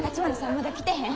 まだ来てへん？